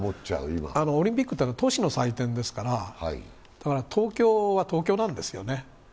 オリンピックというのは都市の祭典ですから、東京は東京なんですよね。